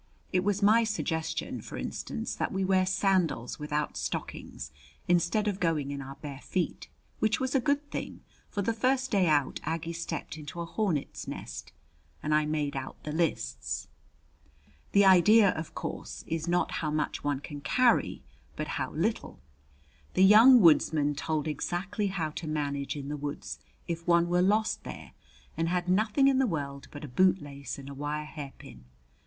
It was my suggestion, for instance, that we wear sandals without stockings, instead of going in our bare feet, which was a good thing, for the first day out Aggie stepped into a hornet's nest. And I made out the lists. The idea, of course, is not how much one can carry, but how little. The "Young Woodsman" told exactly how to manage in the woods if one were lost there and had nothing in the world but a bootlace and a wire hairpin.